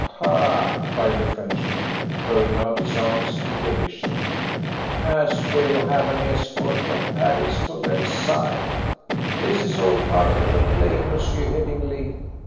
"Pah!" cried the Frenchman, throwing out his arms in derision; "as well have an escort from Paris to Versailles. This is all part of the play, Monsieur Headingly.